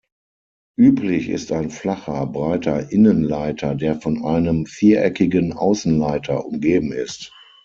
Üblich ist ein flacher, breiter Innenleiter der von einem viereckigen Außenleiter umgeben ist.